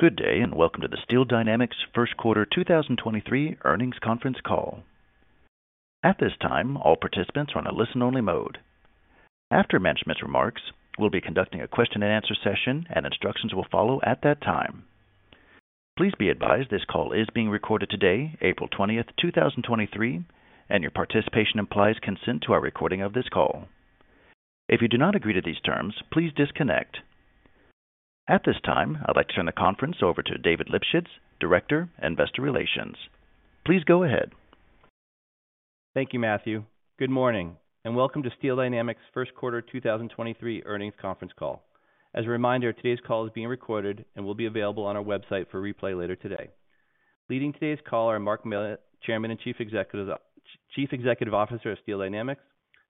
Good day. Welcome to the Steel Dynamics first quarter 2023 earnings conference call. At this time, all participants are on a listen-only mode. After management's remarks, we'll be conducting a question-and-answer session and instructions will follow at that time. Please be advised this call is being recorded today, April 20th, 2023, and your participation implies consent to our recording of this call. If you do not agree to these terms, please disconnect. At this time, I'd like to turn the conference over to David Lipschitz, Director, Investor Relations. Please go ahead. Thank you, Matthew. Good morning and welcome to Steel Dynamics first quarter 2023 earnings conference call. As a reminder, today's call is being recorded and will be available on our website for replay later today. Leading today's call are Mark Millett, Chairman and Chief Executive Officer of Steel Dynamics,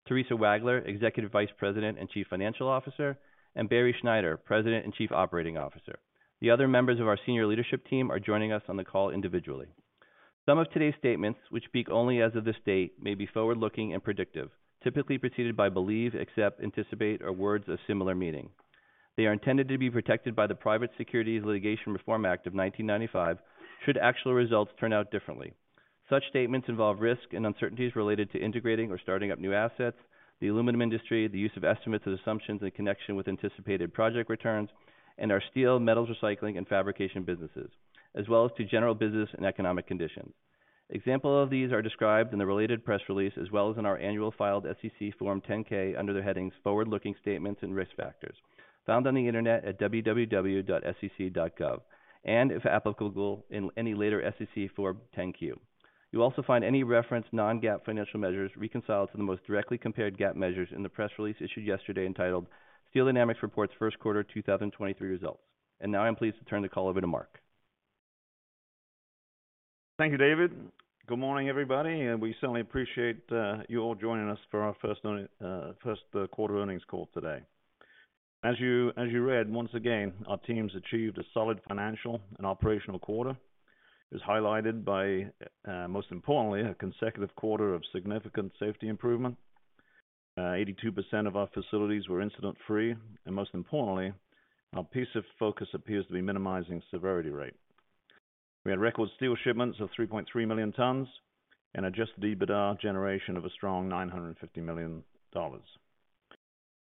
Theresa Wagler, Executive Vice President and Chief Financial Officer, and Barry Schneider, President and Chief Operating Officer. The other members of our senior leadership team are joining us on the call individually. Some of today's statements, which speak only as of this date, may be forward-looking and predictive, typically preceded by believe, except, anticipate or words of similar meaning. They are intended to be protected by the Private Securities Litigation Reform Act of 1995 should actual results turn out differently. Such statements involve risks and uncertainties related to integrating or starting up new assets, the aluminum industry, the use of estimates and assumptions in connection with anticipated project returns, and our steel, metals recycling and fabrication businesses, as well as to general business and economic conditions. Examples of these are described in the related press release as well as in our annual filed SEC Form 10-K under the headings Forward-Looking Statements and Risk Factors found on the Internet at www.sec.gov, and, if applicable, in any later SEC Form 10-Q. You'll also find any reference non-GAAP financial measures reconciled to the most directly compared GAAP measures in the press release issued yesterday entitled Steel Dynamics Reports First Quarter 2023 Results. Now I'm pleased to turn the call over to Mark. Thank you, David. Good morning, everybody, and we certainly appreciate you all joining us for our first quarter earnings call today. As you, as you read, once again, our teams achieved a solid financial and operational quarter. It was highlighted by most importantly, a consecutive quarter of significant safety improvement. 82% of our facilities were incident-free, and most importantly, our PSIF focus appears to be minimizing severity rate. We had record steel shipments of 3.3 million tons and adjusted EBITDA generation of a strong $950 million.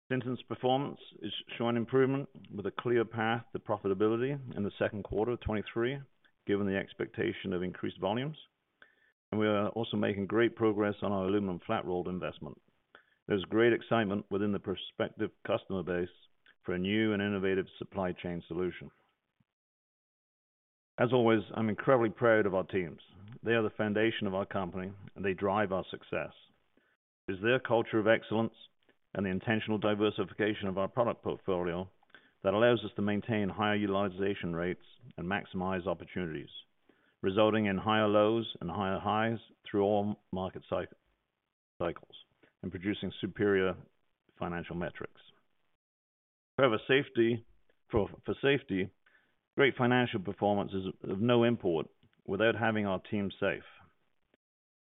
Sinton's performance is showing improvement with a clear path to profitability in the second quarter of 2023, given the expectation of increased volumes. We are also making great progress on our aluminum flat-rolled investment. There's great excitement within the prospective customer base for a new and innovative supply chain solution. As always, I'm incredibly proud of our teams. They are the foundation of our company, they drive our success. It is their culture of excellence and the intentional diversification of our product portfolio that allows us to maintain higher utilization rates and maximize opportunities, resulting in higher lows and higher highs through all market cycles and producing superior financial metrics. For safety, great financial performance is of no import without having our team safe.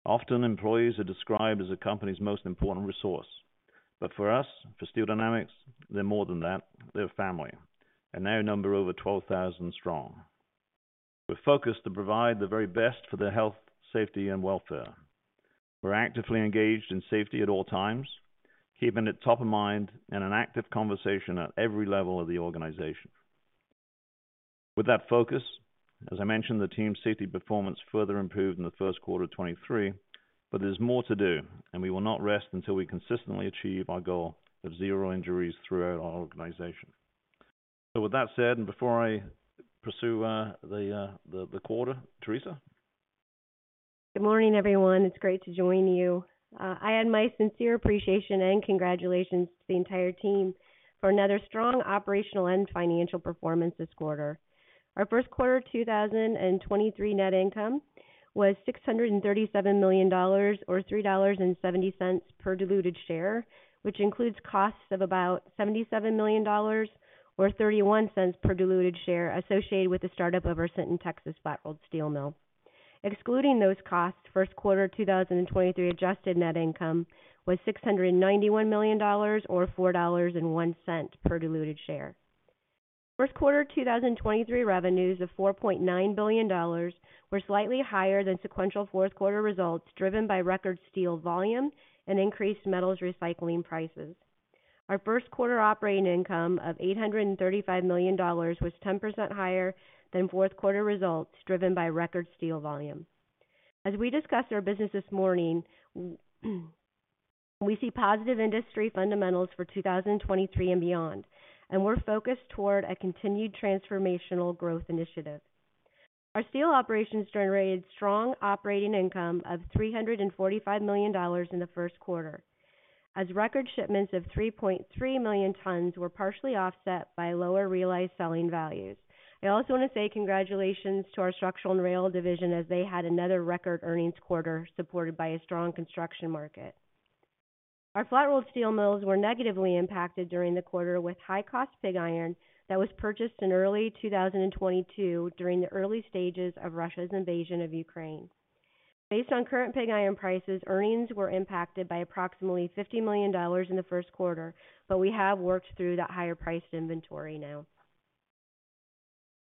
Often employees are described as a company's most important resource, for us, for Steel Dynamics, they're more than that, they're family, and now number over 12,000 strong. We're focused to provide the very best for their health, safety, and welfare. We're actively engaged in safety at all times, keeping it top of mind in an active conversation at every level of the organization. With that focus, as I mentioned, the team's safety performance further improved in the first quarter of 2023. There's more to do, and we will not rest until we consistently achieve our goal of zero injuries throughout our organization. With that said, and before I pursue the quarter, Theresa. Good morning, everyone. It's great to join you. I add my sincere appreciation and congratulations to the entire team for another strong operational and financial performance this quarter. Our first quarter 2023 net income was $637 million or $3.70 per diluted share, which includes costs of about $77 million or $0.31 per diluted share associated with the startup of our Sinton, Texas, flat-rolled steel mill. Excluding those costs, first quarter 2023 adjusted net income was $691 million or $4.01 per diluted share. First quarter 2023 revenues of $4.9 billion were slightly higher than sequential fourth quarter results, driven by record steel volume and increased metals recycling prices. Our first quarter operating income of $835 million was 10% higher than fourth quarter results, driven by record steel volume. As we discuss our business this morning, we see positive industry fundamentals for 2023 and beyond, and we're focused toward a continued transformational growth initiative. Our steel operations generated strong operating income of $345 million in the first quarter, as record shipments of 3.3 million tons were partially offset by lower realized selling values. I also wanna say congratulations to our structural and rail division as they had another record earnings quarter supported by a strong construction market. Our flat-rolled steel mills were negatively impacted during the quarter with high-cost pig iron that was purchased in early 2022 during the early stages of Russia's invasion of Ukraine. Based on current pig iron prices, earnings were impacted by approximately $50 million in the first quarter. We have worked through that higher-priced inventory now.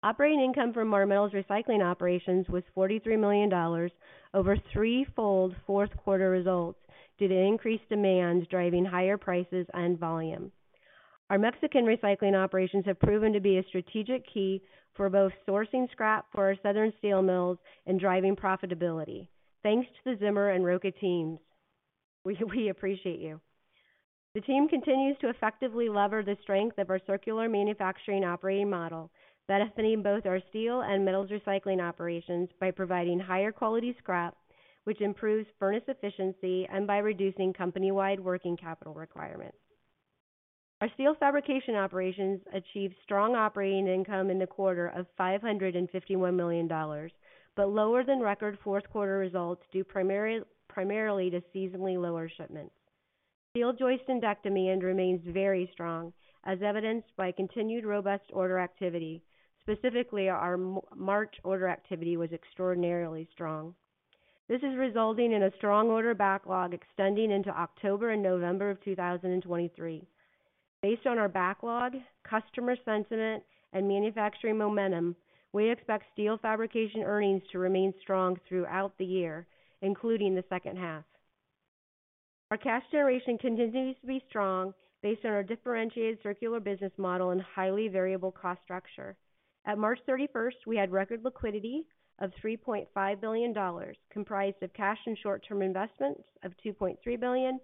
Operating income from our metals recycling operations was $43 million, over threefold fourth quarter results due to increased demand driving higher prices and volume. Our Mexican recycling operations have proven to be a strategic key for both sourcing scrap for our southern steel mills and driving profitability. Thanks to the Zimmer and Roca teams. We appreciate you. The team continues to effectively lever the strength of our circular manufacturing operating model, benefiting both our steel and metals recycling operations by providing higher quality scrap, which improves furnace efficiency and by reducing company-wide working capital requirements. Our steel fabrication operations achieved strong operating income in the quarter of $551 million, but lower than record fourth quarter results, due primarily to seasonally lower shipments. Steel joist and deck demand remains very strong, as evidenced by continued robust order activity. Specifically, our March order activity was extraordinarily strong. This is resulting in a strong order backlog extending into October and November of 2023. Based on our backlog, customer sentiment, and manufacturing momentum, we expect steel fabrication earnings to remain strong throughout the year, including the second half. Our cash generation continues to be strong based on our differentiated circular business model and highly variable cost structure. At March 31st, we had record liquidity of $3.5 billion, comprised of cash and short-term investments of $2.3 billion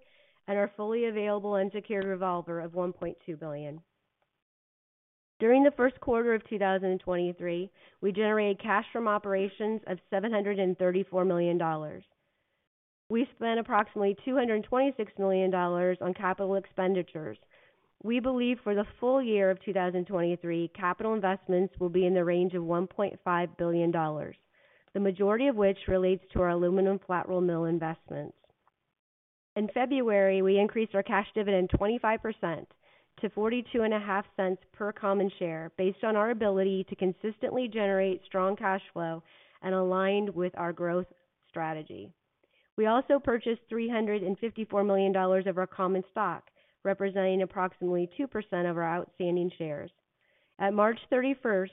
and our fully available unsecured revolver of $1.2 billion. During the first quarter of 2023, we generated cash from operations of $734 million. We spent approximately $226 million on capital expenditures. We believe for the full year of 2023, capital investments will be in the range of $1.5 billion, the majority of which relates to our aluminum flat-rolled mill investments. In February, we increased our cash dividend 25% to $0.425 per common share based on our ability to consistently generate strong cash flow and aligned with our growth strategy. We also purchased $354 million of our common stock, representing approximately 2% of our outstanding shares. At March 31st,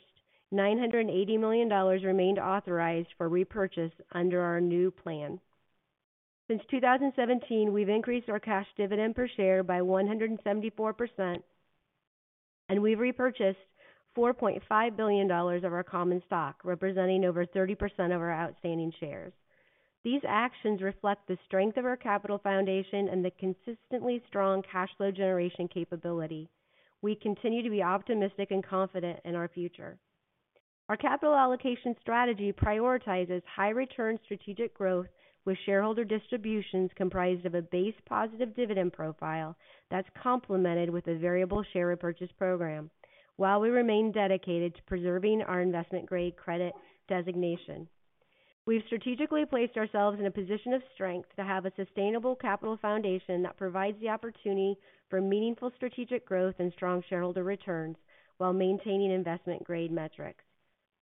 $980 million remained authorized for repurchase under our new plan. Since 2017, we've increased our cash dividend per share by 174%, and we've repurchased $4.5 billion of our common stock, representing over 30% of our outstanding shares. These actions reflect the strength of our capital foundation and the consistently strong cash flow generation capability. We continue to be optimistic and confident in our future. Our capital allocation strategy prioritizes high return strategic growth with shareholder distributions comprised of a base positive dividend profile that's complemented with a variable share repurchase program while we remain dedicated to preserving our investment-grade credit designation. We've strategically placed ourselves in a position of strength to have a sustainable capital foundation that provides the opportunity for meaningful strategic growth and strong shareholder returns while maintaining investment-grade metrics.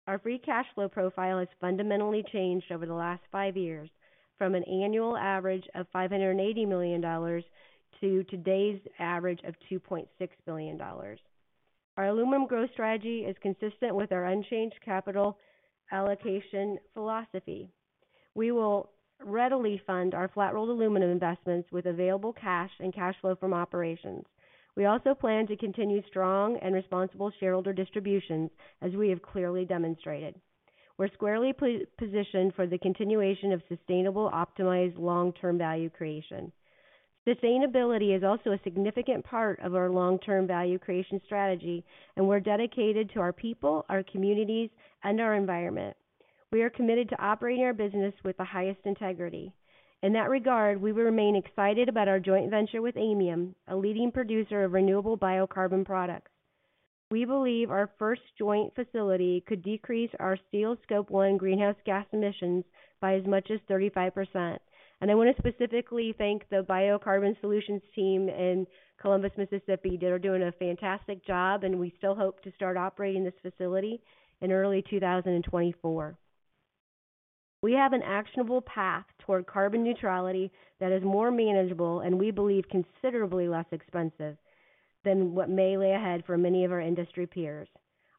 Our free cash flow profile has fundamentally changed over the last five years from an annual average of $580 million to today's average of $2.6 billion. Our aluminum growth strategy is consistent with our unchanged capital allocation philosophy. We will readily fund our flat-rolled aluminum investments with available cash and cash flow from operations. We also plan to continue strong and responsible shareholder distributions, as we have clearly demonstrated. We're squarely positioned for the continuation of sustainable, optimized long-term value creation. Sustainability is also a significant part of our long-term value creation strategy, and we're dedicated to our people, our communities, and our environment. We are committed to operating our business with the highest integrity. In that regard, we remain excited about our joint venture with Aymium, a leading producer of renewable biocarbon products. We believe our first joint facility could decrease our steel Scope 1 greenhouse gas emissions by as much as 35%. I want to specifically thank the Biocarbon Solutions team in Columbus, Mississippi. They are doing a fantastic job, and we still hope to start operating this facility in early 2024. We have an actionable path toward carbon neutrality that is more manageable and we believe considerably less expensive than what may lay ahead for many of our industry peers.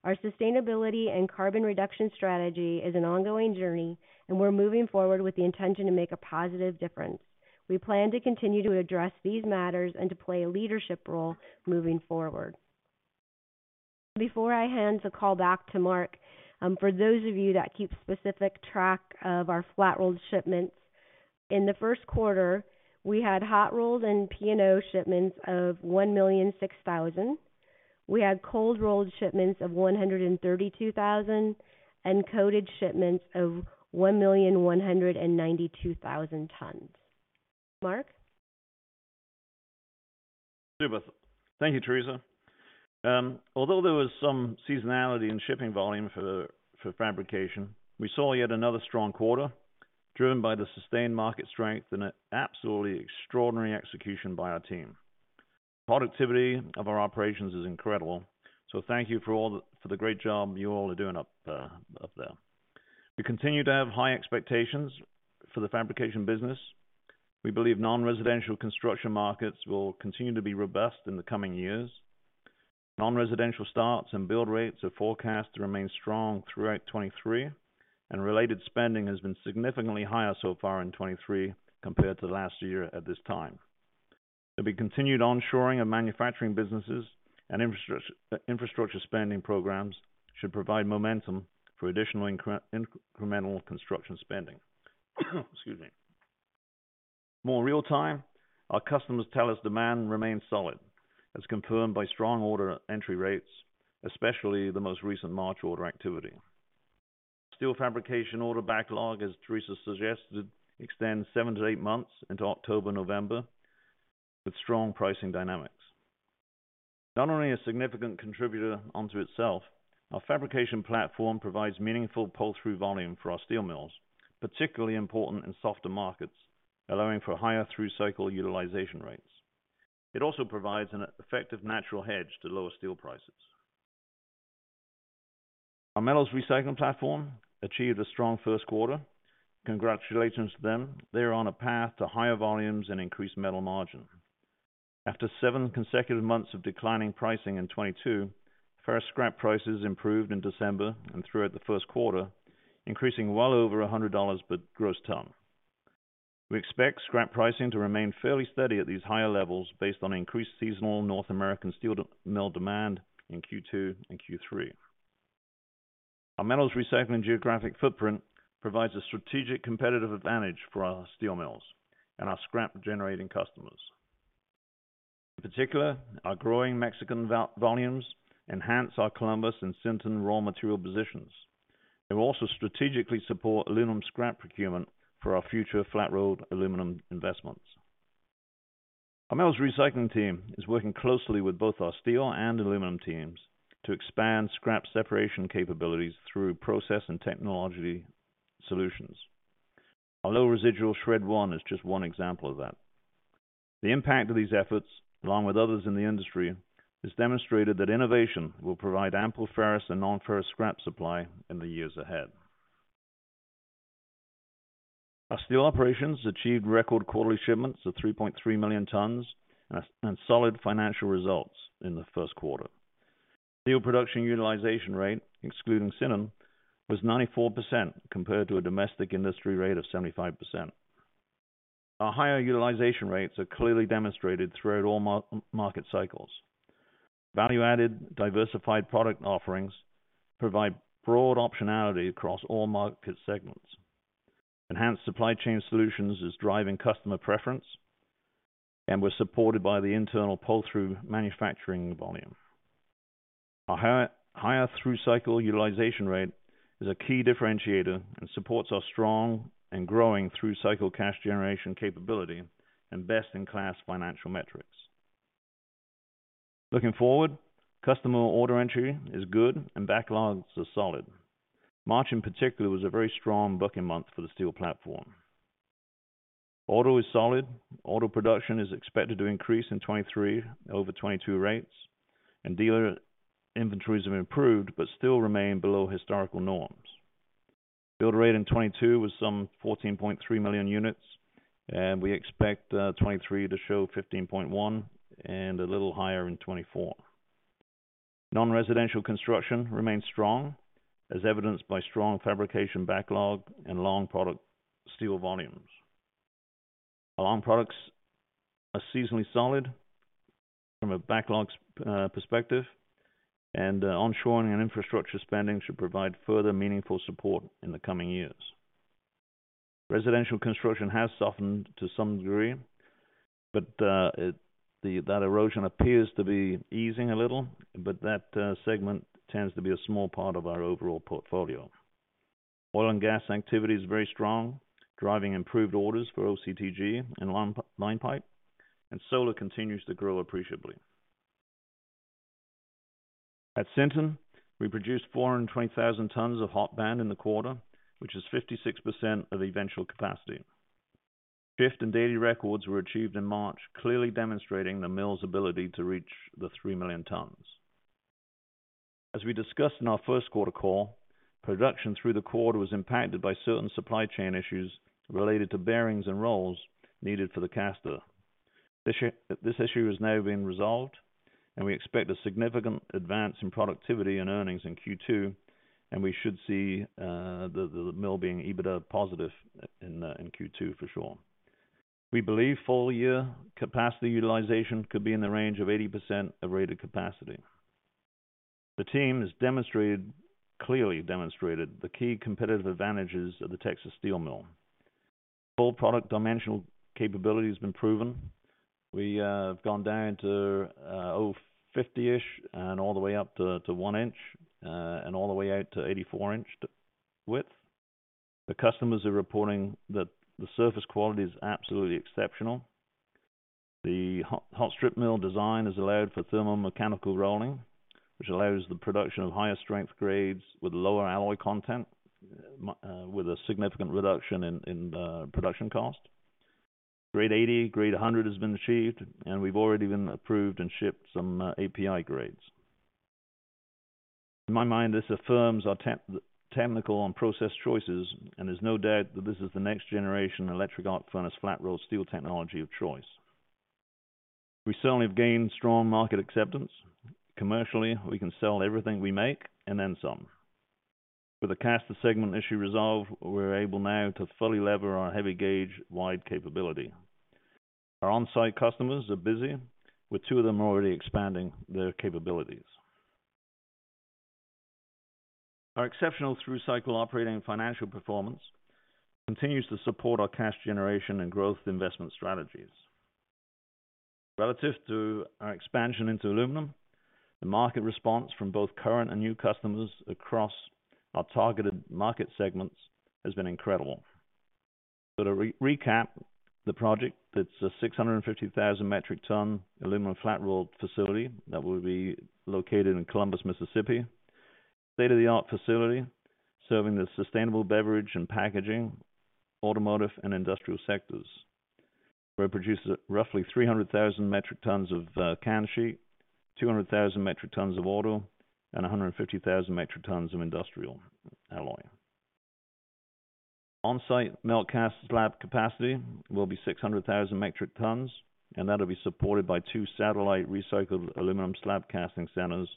Our sustainability and carbon reduction strategy is an ongoing journey, and we're moving forward with the intention to make a positive difference. We plan to continue to address these matters and to play a leadership role moving forward. Before I hand the call back to Mark, for those of you that keep specific track of our flat-rolled shipments, in the first quarter, we had hot rolled and P&O shipments of 1,006,000. We had cold rolled shipments of 132,000 and coated shipments of 1,192,000 tons. Mark? Thank you, Theresa. Although there was some seasonality in shipping volume for fabrication, we saw yet another strong quarter driven by the sustained market strength and an absolutely extraordinary execution by our team. Productivity of our operations is incredible. Thank you for the great job you all are doing up there. We continue to have high expectations for the fabrication business. We believe non-residential construction markets will continue to be robust in the coming years. Non-residential starts and build rates are forecast to remain strong throughout 2023, and related spending has been significantly higher so far in 2023 compared to last year at this time. There'll be continued onshoring of manufacturing businesses and infrastructure spending programs should provide momentum for additional incremental construction spending. Excuse me. More real time, our customers tell us demand remains solid as confirmed by strong order entry rates, especially the most recent March order activity. Steel fabrication order backlog, as Theresa suggested, extends seven to eight months into October, November with strong pricing dynamics. Not only a significant contributor onto itself, our fabrication platform provides meaningful pull-through volume for our steel mills, particularly important in softer markets, allowing for higher through cycle utilization rates. It also provides an effective natural hedge to lower steel prices. Our metals recycling platform achieved a strong first quarter. Congratulations to them. They are on a path to higher volumes and increased metal margin. After seven consecutive months of declining pricing in 2022, ferrous scrap prices improved in December and throughout the first quarter, increasing well over $100 per gross ton. We expect scrap pricing to remain fairly steady at these higher levels based on increased seasonal North American steel mill demand in Q2 and Q3. Our metals recycling geographic footprint provides a strategic competitive advantage for our steel mills and our scrap generating customers. In particular, our growing Mexican volumes enhance our Columbus and Sinton raw material positions. They will also strategically support aluminum scrap procurement for our future flat-rolled aluminum investments. Our metals recycling team is working closely with both our steel and aluminum teams to expand scrap separation capabilities through process and technology solutions. Our low residual Shred1 is just one example of that. The impact of these efforts, along with others in the industry, has demonstrated that innovation will provide ample ferrous and non-ferrous scrap supply in the years ahead. Our steel operations achieved record quarterly shipments of 3.3 million tons and solid financial results in the first quarter. Steel production utilization rate, excluding Sinton, was 94% compared to a domestic industry rate of 75%. Our higher utilization rates are clearly demonstrated throughout all market cycles. Value-added, diversified product offerings provide broad optionality across all market segments. Enhanced supply chain solutions is driving customer preference and was supported by the internal pull-through manufacturing volume. Our higher through cycle utilization rate is a key differentiator and supports our strong and growing through cycle cash generation capability and best in class financial metrics. Looking forward, customer order entry is good and backlogs are solid. March in particular was a very strong booking month for the steel platform. Auto is solid. Auto production is expected to increase in 2023 over 2022 rates, dealer inventories have improved but still remain below historical norms. Build rate in 2022 was some 14.3 million units, we expect 2023 to show 15.1 and a little higher in 2024. Non-residential construction remains strong, as evidenced by strong fabrication backlog and long product steel volumes. Our long products are seasonally solid from a backlogs perspective, onshoring and infrastructure spending should provide further meaningful support in the coming years. Residential construction has softened to some degree, that erosion appears to be easing a little, that segment tends to be a small part of our overall portfolio. Oil and gas activity is very strong, driving improved orders for OCTG and line pipe, solar continues to grow appreciably. At Sinton, we produced 420,000 tons of hot band in the quarter, which is 56% of eventual capacity. Shift and daily records were achieved in March, clearly demonstrating the mill's ability to reach the three million tons. As we discussed in our first quarter call, production through the quarter was impacted by certain supply chain issues related to bearings and rolls needed for the caster. This issue has now been resolved and we expect a significant advance in productivity and earnings in Q2, and we should see the mill being EBITDA positive in Q2 for sure. We believe full year capacity utilization could be in the range of 80% of rated capacity. The team has demonstrated, clearly demonstrated the key competitive advantages of the Texas Steel Mill. Full product dimensional capability has been proven. We have gone down to 50-ish and all the way up to 1 in and all the way out to 84 inch to width. The customers are reporting that the surface quality is absolutely exceptional. The hot strip mill design has allowed for thermo-mechanical rolling, which allows the production of higher strength grades with lower alloy content. With a significant reduction in production cost. Grade 80, Grade 100 has been achieved, and we've already been approved and shipped some API grades. In my mind, this affirms our technical and process choices, and there's no doubt that this is the next generation electric arc furnace flat-rolled steel technology of choice. We certainly have gained strong market acceptance. Commercially, we can sell everything we make and then some. With the caster segment issue resolved, we're able now to fully lever our heavy gauge wide capability. Our on-site customers are busy, with two of them already expanding their capabilities. Our exceptional through-cycle operating and financial performance continues to support our cash generation and growth investment strategies. Relative to our expansion into aluminum, the market response from both current and new customers across our targeted market segments has been incredible. To recap the project, it's a 650,000 metric ton aluminum flat-rolled facility that will be located in Columbus, Mississippi. State-of-the-art facility serving the sustainable beverage and packaging, automotive, and industrial sectors. Where it produces roughly 300,000 metric tons of can sheet, 200,000 metric tons of auto, and 150,000 metric tons of industrial alloy. On-site melt cast slab capacity will be 600,000 metric tons, and that'll be supported by two satellite recycled aluminum slab casting centers.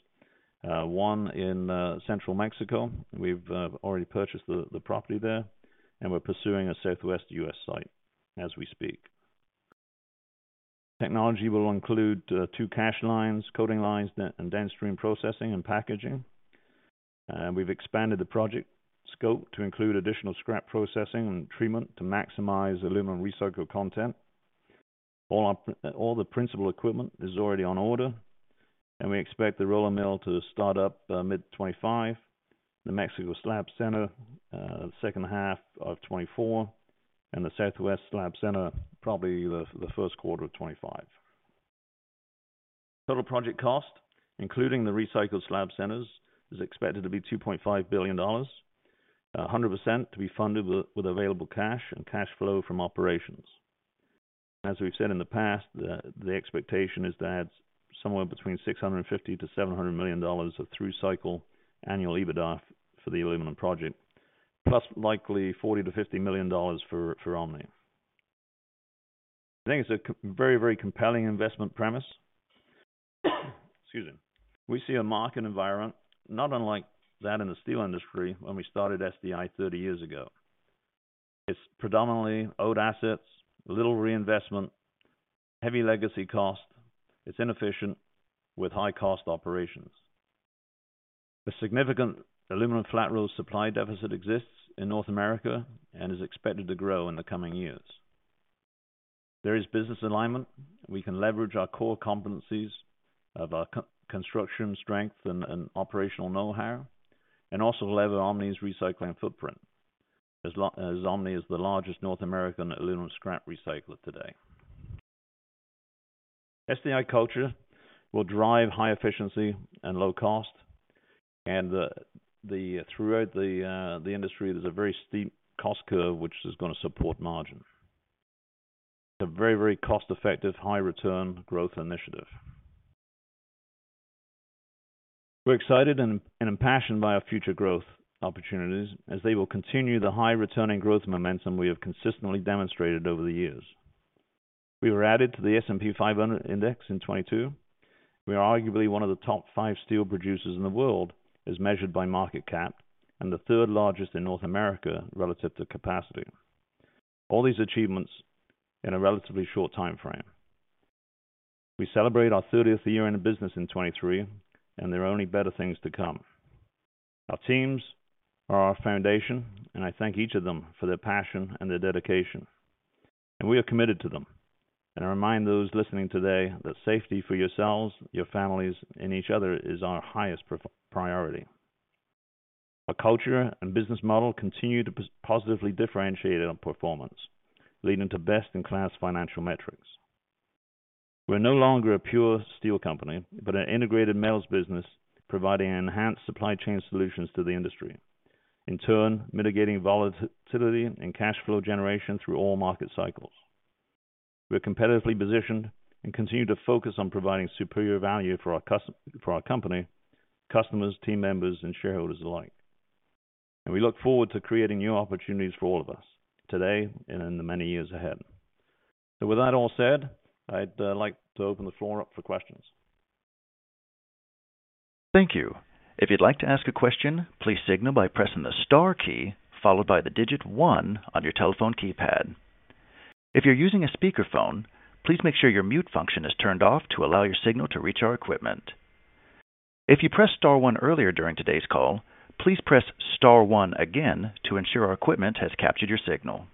One in Central Mexico. We've already purchased the property there, and we're pursuing a Southwest U.S. site as we speak. Technology will include two cast lines, coating lines, and downstream processing and packaging. We've expanded the project scope to include additional scrap processing and treatment to maximize aluminum recycled content. All the principal equipment is already on order, and we expect the roller mill to start up mid-2025, the Mexico slab center second half of 2024, and the Southwest slab center probably the first quarter of 2025. Total project cost, including the recycled slab centers, is expected to be $2.5 billion. 100% to be funded with available cash and cash flow from operations. As we've said in the past, the expectation is to add somewhere between $650 million-$700 million of through cycle annual EBITDA for the aluminum project, plus likely $40 million-$50 million for Omni. I think it's a very compelling investment premise. Excuse me. We see a market environment not unlike that in the steel industry when we started SDI 30 years ago. It's predominantly old assets, little reinvestment, heavy legacy cost. It's inefficient with high cost operations. A significant aluminum flat-rolled supply deficit exists in North America and is expected to grow in the coming years. There is business alignment. We can leverage our core competencies of our co-construction strength and operational know-how, and also lever Omni's recycling footprint. As Omni is the largest North American aluminum scrap recycler today. SDI culture will drive high efficiency and low cost throughout the industry, there's a very steep cost curve which is gonna support margin. It's a very, very cost-effective, high return growth initiative. We're excited and impassioned by our future growth opportunities as they will continue the high return and growth momentum we have consistently demonstrated over the years. We were added to the S&P 500 index in 2022. We are arguably one of the top five steel producers in the world, as measured by market cap, and the third largest in North America relative to capacity. All these achievements in a relatively short timeframe. We celebrate our 30th year in business in 2023, there are only better things to come. Our teams are our foundation, and I thank each of them for their passion and their dedication, and we are committed to them. I remind those listening today that safety for yourselves, your families, and each other is our highest priority. Our culture and business model continue to positively differentiate our performance, leading to best in class financial metrics. We're no longer a pure Steel Dynamics company, but an integrated metals business, providing enhanced supply chain solutions to the industry. In turn, mitigating volatility and cash flow generation through all market cycles. We're competitively positioned and continue to focus on providing superior value for our company, customers, team members, and shareholders alike. We look forward to creating new opportunities for all of us today and in the many years ahead. With that all said, I'd like to open the floor up for questions. Thank you. If you'd like to ask a question, please signal by pressing the star key followed by the digit one on your telephone keypad. If you're using a speakerphone, please make sure your mute function is turned off to allow your signal to reach our equipment. If you pressed star one earlier during today's call, please press star one again to ensure our equipment has captured your signal.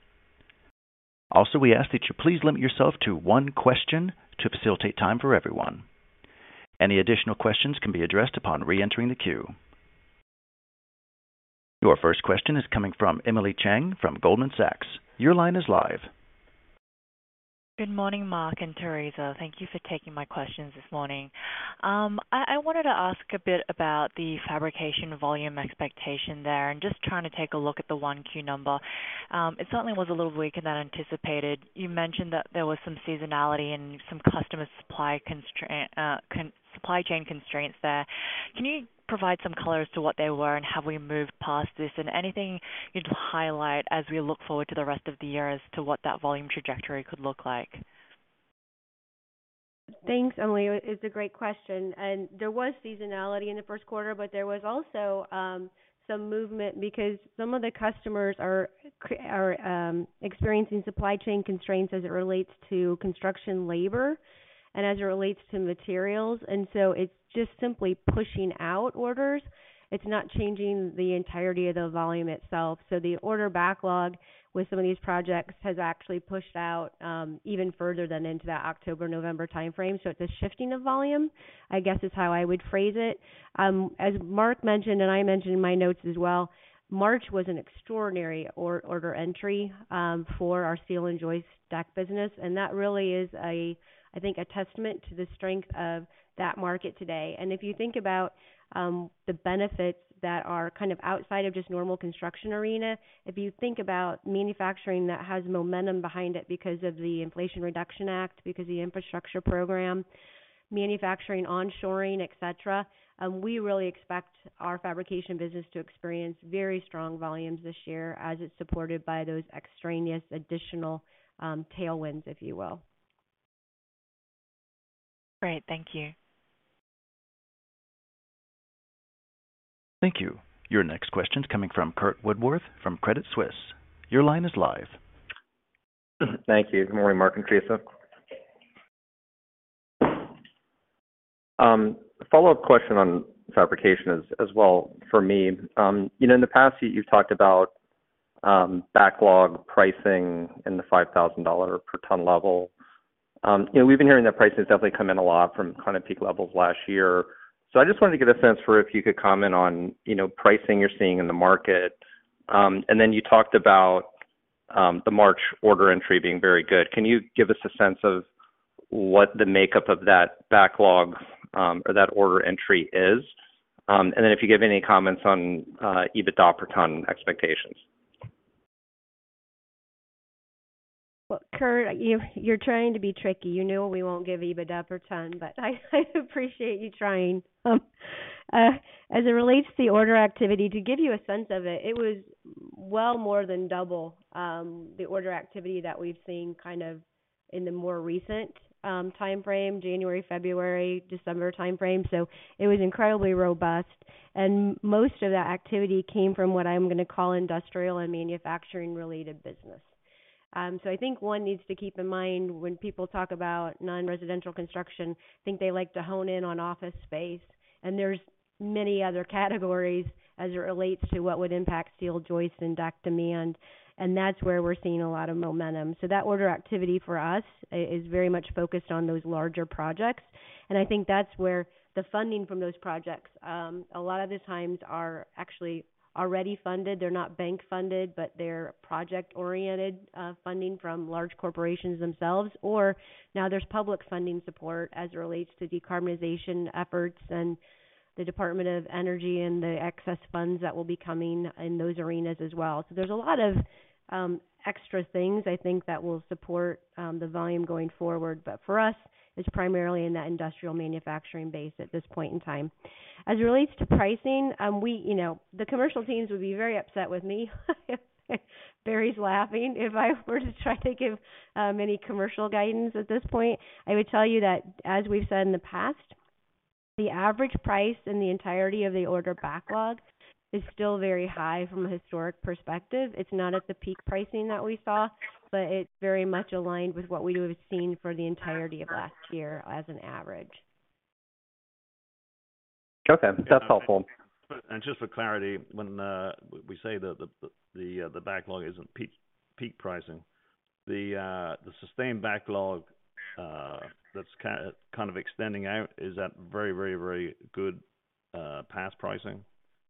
Also, we ask that you please limit yourself to one question to facilitate time for everyone. Any additional questions can be addressed upon reentering the queue. Your first question is coming from Emily Chieng from Goldman Sachs. Your line is live. Good morning, Mark and Theresa. Thank you for taking my questions this morning. I wanted to ask a bit about the fabrication volume expectation there and just trying to take a look at the 1Q number. It certainly was a little weaker than anticipated. You mentioned that there was some seasonality and some customer supply chain constraints there. Can you provide some color as to what they were and have we moved past this? Anything you'd highlight as we look forward to the rest of the year as to what that volume trajectory could look like? Thanks, Emily. It's a great question. There was seasonality in the first quarter, but there was also some movement because some of the customers are experiencing supply chain constraints as it relates to construction labor and as it relates to materials. It's just simply pushing out orders. It's not changing the entirety of the volume itself. The order backlog with some of these projects has actually pushed out even further than into that October-November timeframe. It's a shifting of volume, I guess, is how I would phrase it. As Mark mentioned, and I mentioned in my notes as well, March was an extraordinary order entry for our steel and joist deck business, and that really is a, I think, a testament to the strength of that market today. If you think about, the benefits that are kind of outside of just normal construction arena, if you think about manufacturing that has momentum behind it because of the Inflation Reduction Act, because the infrastructure program, manufacturing, onshoring, et cetera, we really expect our fabrication business to experience very strong volumes this year as it's supported by those extraneous additional, tailwinds, if you will. Great. Thank you. Thank you. Your next question is coming from Curt Woodworth from Credit Suisse. Your line is live. Thank you. Good morning, Mark and Theresa. A follow-up question on fabrication as well for me. You know, in the past, you've talked about backlog pricing in the $5,000 per ton level. You know, we've been hearing that pricing has definitely come in a lot from kind of peak levels last year. I just wanted to get a sense for if you could comment on, you know, pricing you're seeing in the market. You talked about the March order entry being very good. Can you give us a sense of what the makeup of that backlog or that order entry is? If you give any comments on EBITDA per ton expectations. Curt, you're trying to be tricky. You know we won't give EBITDA per ton, but I appreciate you trying. As it relates to the order activity, to give you a sense of it was well more than double the order activity that we've seen kind of in the more recent timeframe, January, February, December timeframe. It was incredibly robust. Most of the activity came from what I'm gonna call industrial and manufacturing related business. I think one needs to keep in mind when people talk about non-residential construction, I think they like to hone in on office space. There's many other categories as it relates to what would impact steel, joist, and deck demand. That's where we're seeing a lot of momentum. That order activity for us is very much focused on those larger projects. I think that's where the funding from those projects, a lot of the times are actually already funded. They're not bank funded, but they're project-oriented funding from large corporations themselves. Now there's public funding support as it relates to decarbonization efforts and the Department of Energy and the excess funds that will be coming in those arenas as well. There's a lot of extra things I think that will support the volume going forward. For us, it's primarily in that industrial manufacturing base at this point in time. As it relates to pricing, you know, the commercial teams would be very upset with me, Barry's laughing, if I were to try to give any commercial guidance at this point. I would tell you that, as we've said in the past, the average price in the entirety of the order backlog is still very high from a historic perspective. It's not at the peak pricing that we saw, but it's very much aligned with what we would have seen for the entirety of last year as an average. Okay. That's helpful. Just for clarity, when we say the backlog isn't peak pricing, the sustained backlog that's kind of extending out is at very good past pricing.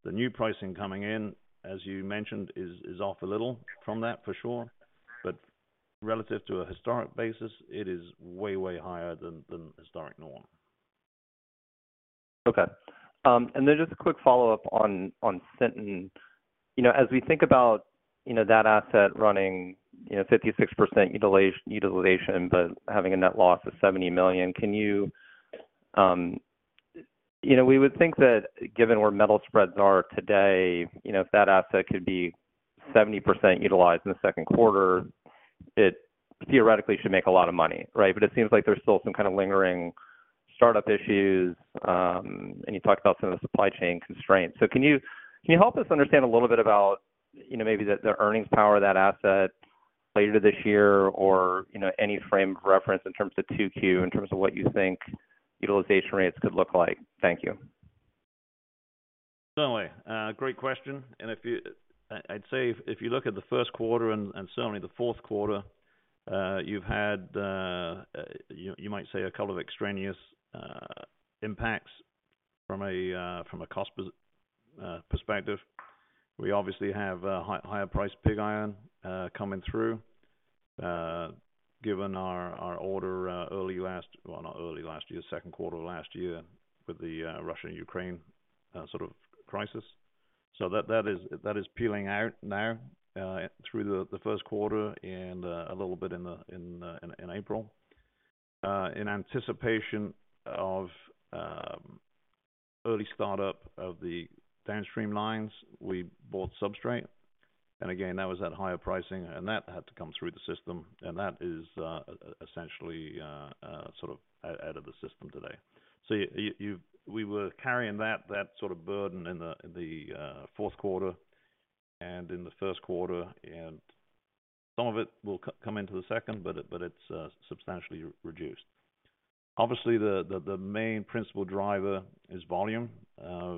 The new pricing coming in, as you mentioned, is off a little from that for sure. Relative to a historic basis, it is way higher than historic norm. Okay. Just a quick follow-up on Sinton. You know, as we think about, you know, that asset running, you know, 56% utilization, but having a net loss of $70 million, can you... You know, we would think that given where metal spreads are today, you know, if that asset could be 70% utilized in the second quarter, it theoretically should make a lot of money, right? It seems like there's still some kind of lingering startup issues, and you talked about some of the supply chain constraints. Can you, can you help us understand a little bit about, you know, maybe the earnings power of that asset later this year or, you know, any frame of reference in terms of 2Q, in terms of what you think utilization rates could look like? Thank you. Certainly. great question. I'd say if you look at the first quarter and certainly the fourth quarter, you've had, you might say a couple of extraneous impacts. From a cost perspective, we obviously have a higher priced pig iron coming through given our order not early last year, second quarter of last year with the Russia and Ukraine sort of crisis. That is peeling out now through the first quarter and a little bit in April. In anticipation of early start-up of the downstream lines, we bought substrate. Again, that was at higher pricing and that had to come through the system. That is essentially out of the system today. We were carrying that sort of burden in the fourth quarter and in the first quarter, and some of it will come into the second, but it's substantially reduced. Obviously, the main principal driver is volume.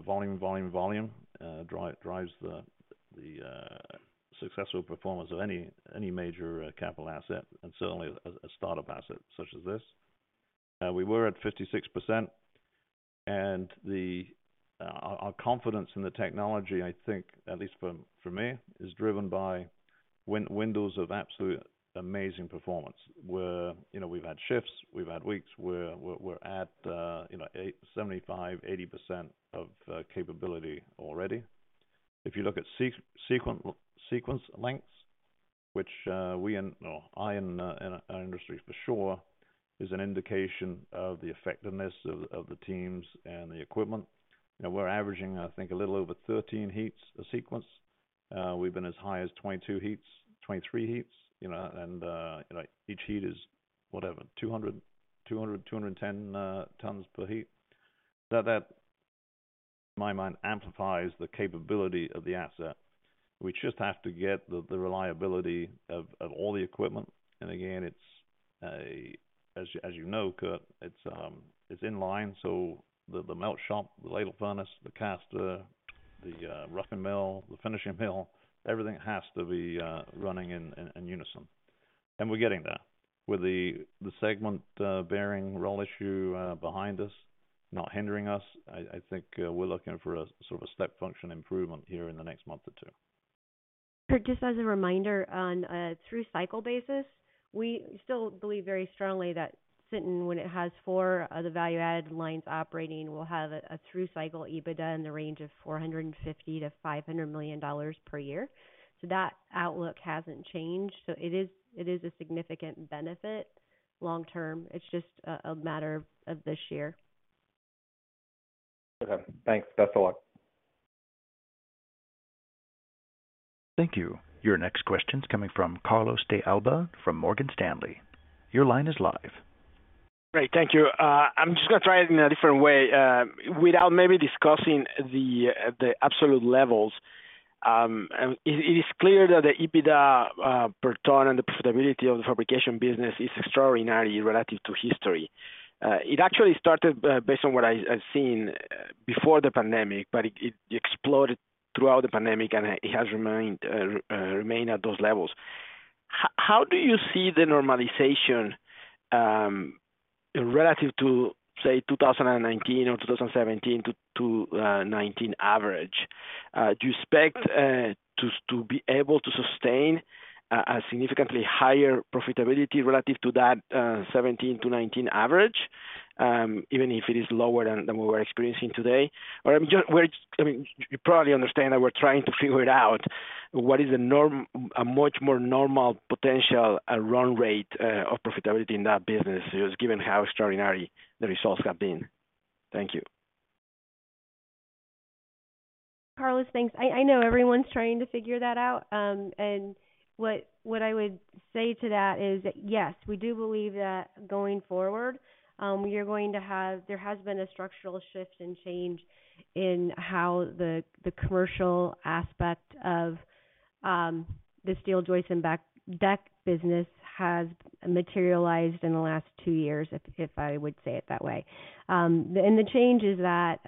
Volume, volume drives the successful performance of any major capital asset and certainly a startup asset such as this. We were at 56%. Our confidence in the technology, I think, at least for me, is driven by windows of absolute amazing performance, where, you know, we've had shifts, we've had weeks, we're at, you know, 75%, 80% of capability already. If you look at sequence lengths, which, in our industry for sure, is an indication of the effectiveness of the teams and the equipment. You know, we're averaging, I think, a little over 13 heats a sequence. We've been as high as 22 heats, 23 heats, you know. You know, each heat is, whatever, 200, 210 tons per heat. That, in my mind, amplifies the capability of the asset. We just have to get the reliability of all the equipment. Again, as you know, Curt, it's in line, so the melt shop, the ladle furnace, the caster, the roughing mill, the finishing mill, everything has to be running in unison. We're getting there. With the segment bearing roll issue behind us, not hindering us, I think we're looking for a sort of a step function improvement here in the next month or two. Just as a reminder, on a through-cycle basis, we still believe very strongly that Sinton, when it has four of the value-add lines operating, will have a through-cycle EBITDA in the range of $450 million-$500 million per year. That outlook hasn't changed. It is a significant benefit long term. It's just a matter of this year. Okay, thanks. Best of luck. Thank you. Your next question's coming from Carlos de Alba from Morgan Stanley. Your line is live. Great. Thank you. I'm just gonna try it in a different way. Without maybe discussing the absolute levels, it is clear that the EBITDA per ton and the profitability of the fabrication business is extraordinary relative to history. It actually started, based on what I've seen before the pandemic, but it exploded throughout the pandemic, and it has remained at those levels. How do you see the normalization relative to, say, 2019 or 2017-2019 average? Do you expect to be able to sustain a significantly higher profitability relative to that 2017-2019 average, even if it is lower than we're experiencing today? I mean, you probably understand that we're trying to figure it out. What is a much more normal potential run rate of profitability in that business is, given how extraordinary the results have been? Thank you. Carlos, thanks. I know everyone's trying to figure that out. What I would say to that is that, yes, we do believe that going forward, there has been a structural shift and change in how the commercial aspect of the steel joist and deck business has materialized in the last two years, if I would say it that way. The change is that,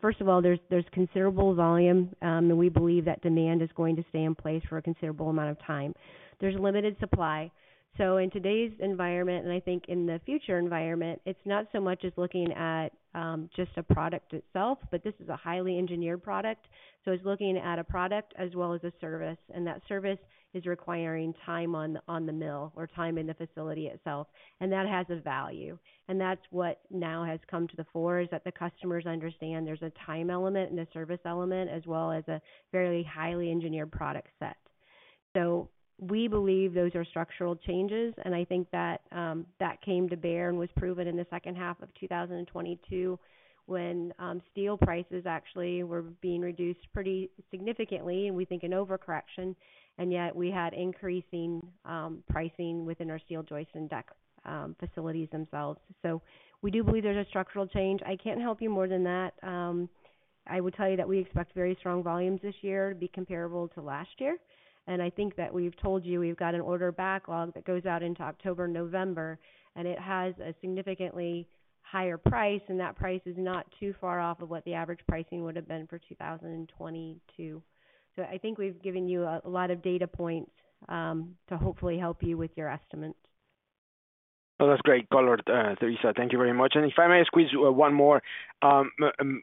first of all, there's considerable volume, and we believe that demand is going to stay in place for a considerable amount of time. There's limited supply. In today's environment, and I think in the future environment, it's not so much as looking at just a product itself, but this is a highly engineered product. It's looking at a product as well as a service, and that service is requiring time on the mill or time in the facility itself, and that has a value. That's what now has come to the fore, is that the customers understand there's a time element and a service element, as well as a fairly highly engineered product set. We believe those are structural changes, and I think that came to bear and was proven in the second half of 2022, when steel prices actually were being reduced pretty significantly, and we think an overcorrection, and yet we had increasing pricing within our steel joist and deck facilities themselves. We do believe there's a structural change. I can't help you more than that. I will tell you that we expect very strong volumes this year to be comparable to last year. I think that we've told you we've got an order backlog that goes out into October, November, and it has a significantly higher price, and that price is not too far off of what the average pricing would have been for 2022. I think we've given you a lot of data points to hopefully help you with your estimates. Oh, that's great color, Theresa, thank you very much. If I may squeeze one more,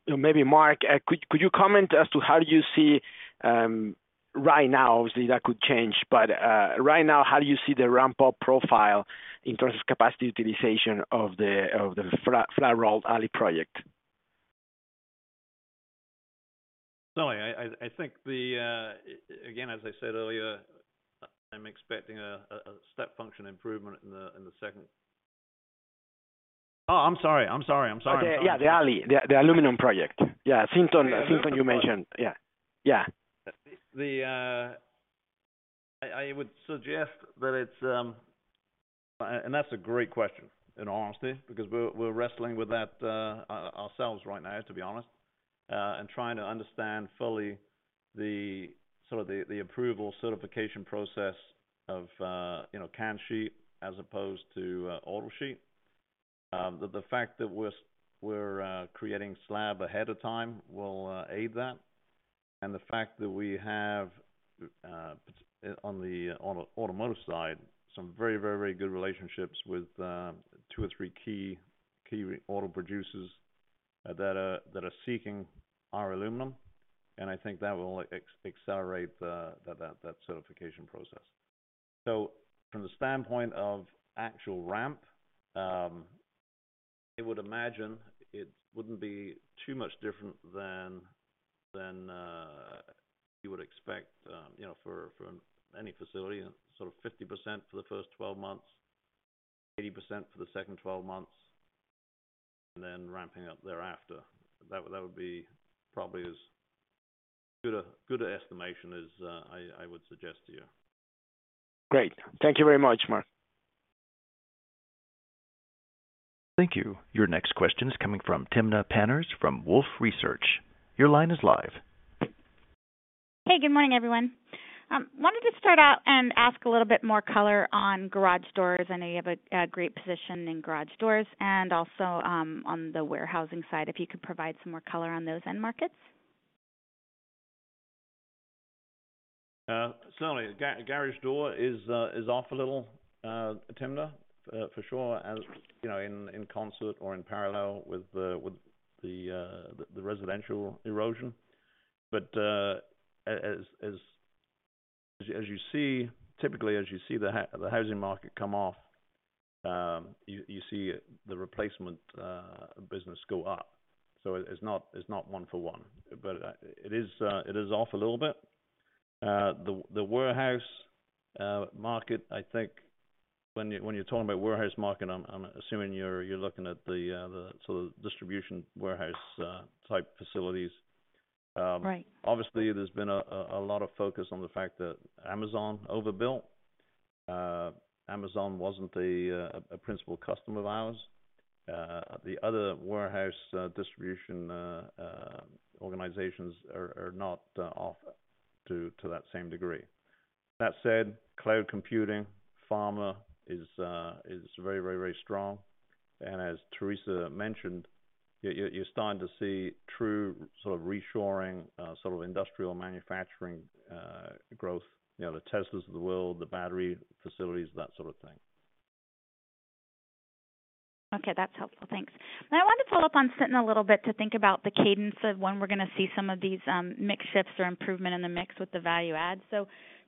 maybe Mark, could you comment as to how you see, right now, obviously that could change, but, right now, how do you see the ramp-up profile in terms of capacity utilization of the flat-rolled aluminum project? No, I think the again, as I said earlier, I'm expecting a step function improvement in the second... Oh, I'm sorry. I'm sorry. Yeah. The aluminum project. Yeah. Yeah. Something, something you mentioned. Yeah. Yeah. I would suggest that it's. That's a great question, in all honesty, because we're wrestling with that ourselves right now, to be honest, and trying to understand fully the sort of the approval certification process of, you know, can sheet as opposed to auto sheet. The fact that we're creating slab ahead of time will aid that. The fact that we have on a automotive side, some very good relationships with two or three key auto producers that are seeking our aluminum. I think that will accelerate the, that certification process. From the standpoint of actual ramp, I would imagine it wouldn't be too much different than you would expect, you know, for, from any facility. Sort of 50% for the first 12 months, 80% for the second 12 months, and then ramping up thereafter. That would be probably as good a, good estimation as I would suggest to you. Great. Thank you very much, Mark. Thank you. Your next question is coming from Timna Tanners from Wolfe Research. Your line is live. Hey, good morning, everyone. Wanted to start out and ask a little bit more color on garage doors. I know you have a great position in garage doors and also, on the warehousing side, if you could provide some more color on those end markets. Certainly. Garage door is off a little, Timna, for sure, as, you know, in concert or in parallel with the residential erosion. As you see typically, as you see the housing market come off, you see the replacement business go up. It's not one for one, but it is off a little bit. The warehouse market, I think when you're talking about warehouse market, I'm assuming you're looking at the sort of distribution warehouse type facilities. Right. Obviously there's been a lot of focus on the fact that Amazon overbuilt. Amazon wasn't a principal customer of ours. The other warehouse distribution organizations are not off to that same degree. That said, cloud computing, pharma is very strong. As Theresa mentioned, you're starting to see true sort of reshoring, sort of industrial manufacturing growth. You know, the Teslas of the world, the battery facilities, that sort of thing. Okay. That's helpful. Thanks. I wanted to follow up on Sinton a little bit to think about the cadence of when we're gonna see some of these mix shifts or improvement in the mix with the value add.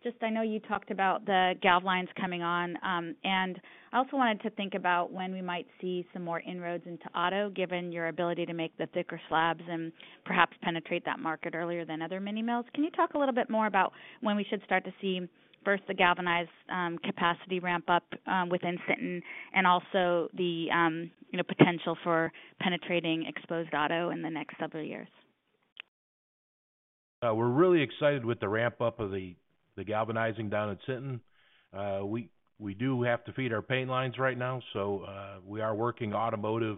Just I know you talked about the gal lines coming on. I also wanted to think about when we might see some more inroads into auto, given your ability to make the thicker slabs and perhaps penetrate that market earlier than other mini mills. Can you talk a little bit more about when we should start to see, first the galvanized capacity ramp up within Sinton, and also the, you know, potential for penetrating exposed auto in the next couple of years? We're really excited with the ramp-up of the galvanizing down at Sinton. We do have to feed our paint lines right now, we are working automotive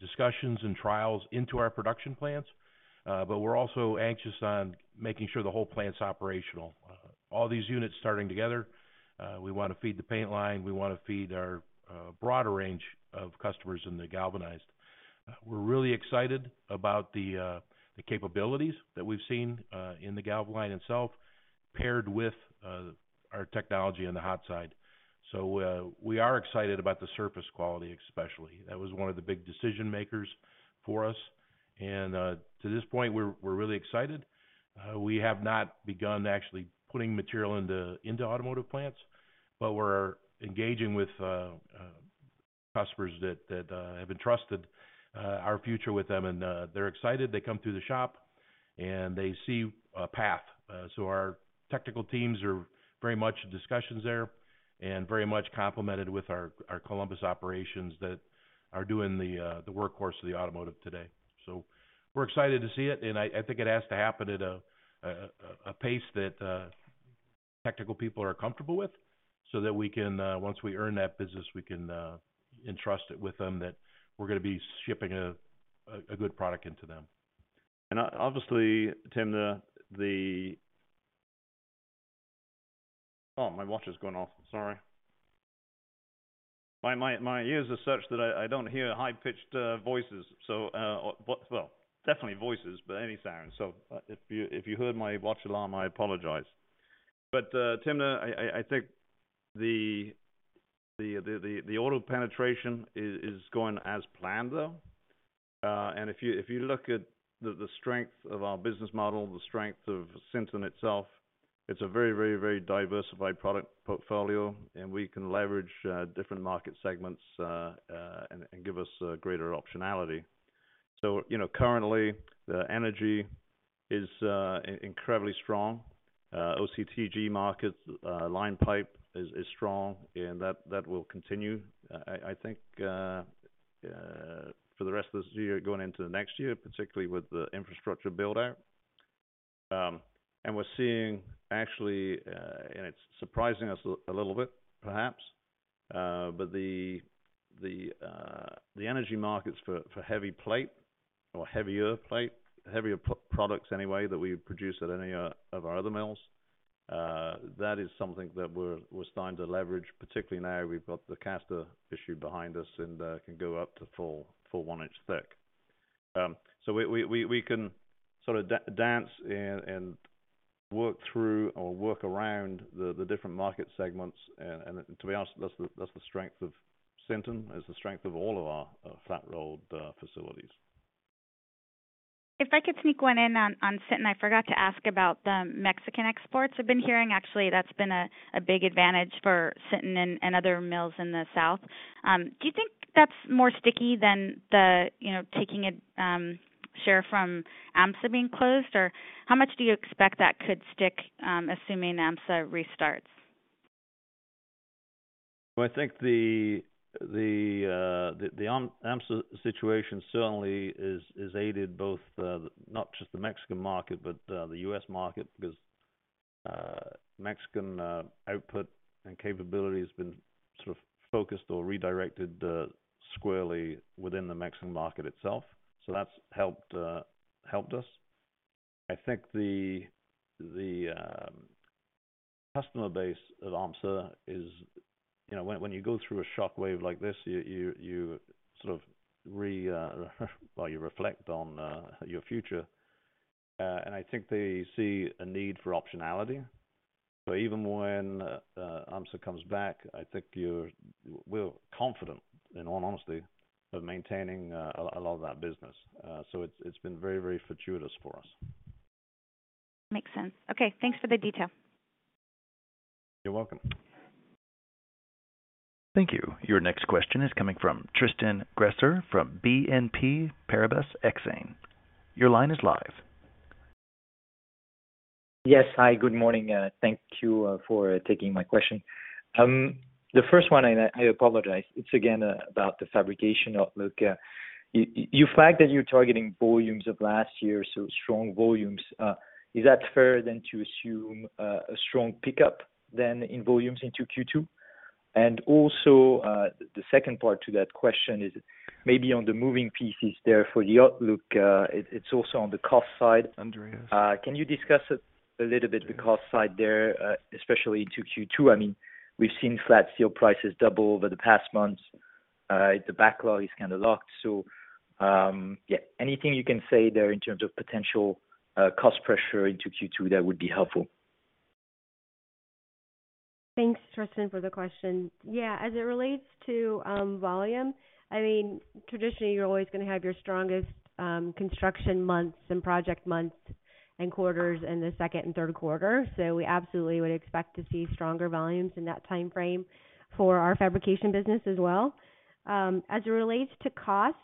discussions and trials into our production plants. We're also anxious on making sure the whole plant's operational. All these units starting together, we wanna feed the paint line. We wanna feed our broader range of customers in the galvanized. We're really excited about the capabilities that we've seen in the gal line itself, paired with our technology on the hot side. We are excited about the surface quality, especially. That was one of the big decision makers for us. To this point, we're really excited. We have not begun actually putting material into automotive plants, but we're engaging with customers that have entrusted our future with them. They're excited. They come through the shop, and they see a path. Our technical teams are very much in discussions there and very much complemented with our Columbus operations that are doing the workhorse of the automotive today. We're excited to see it. I think it has to happen at a pace that technical people are comfortable with so that we can, once we earn that business, we can entrust it with them that we're gonna be shipping a good product into them. Obviously, Timna, the... Oh, my watch is going off, sorry. My ears are such that I don't hear high-pitched voices, so, well, definitely voices, but any sound. If you heard my watch alarm, I apologize. Timna, I think the auto penetration is going as planned though. If you look at the strength of our business model, the strength of Sinton itself, it's a very diversified product portfolio, and we can leverage different market segments and give us greater optionality. You know, currently the energy is incredibly strong. OCTG markets, line pipe is strong and that will continue. I think for the rest of this year going into the next year, particularly with the infrastructure build-out. We're seeing actually, and it's surprising us a little bit perhaps, but the energy markets for heavy plate or heavier plate, heavier products anyway that we produce at any of our other mills, that is something that we're starting to leverage, particularly now we've got the caster issue behind us and can go up to full 1 in thick. We can sort of dance and work through or work around the different market segments. To be honest, that's the strength of Sinton, is the strength of all of our flat-rolled facilities. If I could sneak one in on Sinton. I forgot to ask about the Mexican exports. I've been hearing actually that's been a big advantage for Sinton and other mills in the south. Do you think that's more sticky than the, you know, taking a share from AHMSA being closed? How much do you expect that could stick, assuming AHMSA restarts? Well, I think the AHMSA situation certainly has aided both, not just the Mexican market but the U.S. market because Mexican output and capability has been sort of focused or redirected squarely within the Mexican market itself. That's helped us. I think the customer base at AHMSA is. You know, when you go through a shockwave like this, you sort of well, you reflect on your future. I think they see a need for optionality. Even when AHMSA comes back, I think we're confident in all honesty of maintaining a lot of that business. It's been very fortuitous for us. Makes sense. Okay, thanks for the detail. You're welcome. Thank you. Your next question is coming from Tristan Gresser from BNP Paribas Exane. Your line is live. Yes. Hi, good morning. Thank you for taking my question. The first one, I apologize. It's again about the fabrication outlook. You flag that you're targeting volumes of last year, so strong volumes. Is that fair then to assume a strong pickup then in volumes into Q2? Also, the second part to that question is maybe on the moving pieces there for the outlook. It's also on the cost side. Theresa. Can you discuss a little bit the cost side there, especially into Q2? I mean, we've seen flat steel prices double over the past month. The backlog is kind of locked. Yeah, anything you can say there in terms of potential, cost pressure into Q2, that would be helpful. Thanks, Tristan, for the question. Yeah, as it relates to volume, I mean, traditionally you're always gonna have your strongest construction months and project months and quarters in the second and third quarter. We absolutely would expect to see stronger volumes in that timeframe for our fabrication business as well. As it relates to cost,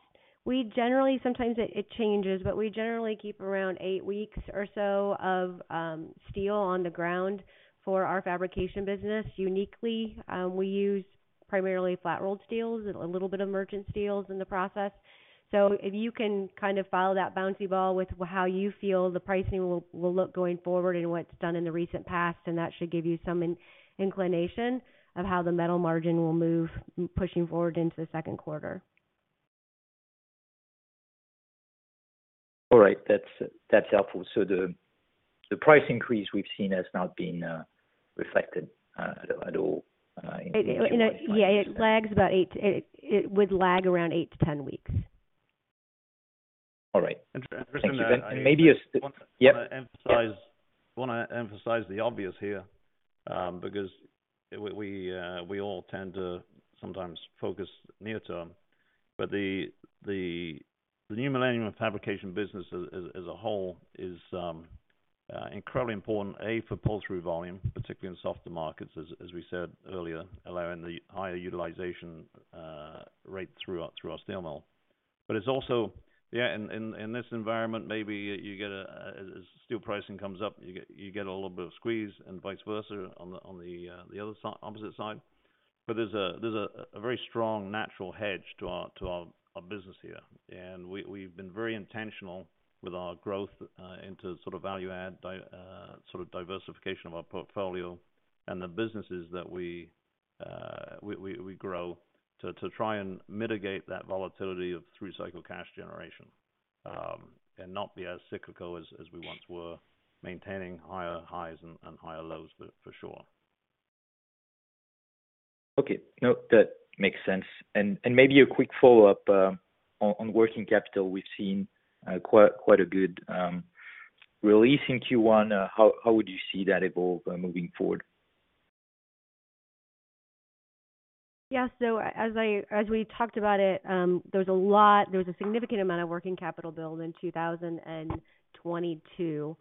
we generally, sometimes it changes, but we generally keep around eight weeks or so of steel on the ground for our fabrication business. Uniquely, we use primarily flat-rolled steels and a little bit of merchant steels in the process. If you can kind of follow that bouncy ball with how you feel the pricing will look going forward and what's done in the recent past, and that should give you some inclination of how the metal margin will move pushing forward into the second quarter. All right. That's helpful. The price increase we've seen has not been reflected at all in- You know, yeah, it would lag around eight to 10 weeks. All right. Thank you. Tristan. maybe a st-- yep. I wanna emphasize the obvious here, because we all tend to sometimes focus near term. The New Millennium fabrication business as a whole is incredibly important, A, for pull-through volume, particularly in softer markets, as we said earlier, allowing the higher utilization rate through our steel mill. It's also, yeah, in this environment, maybe you get as steel pricing comes up, you get a little bit of squeeze and vice versa on the other side, opposite side. There's a very strong natural hedge to our business here. We've been very intentional with our growth into sort of value add sort of diversification of our portfolio and the businesses that we grow to try and mitigate that volatility of through-cycle cash generation and not be as cyclical as we once were, maintaining higher highs and higher lows for sure. Okay. No, that makes sense. Maybe a quick follow-up on working capital. We've seen quite a good release in Q1. How would you see that evolve moving forward? Yeah. As we talked about it, there was a significant amount of working capital build in 2022.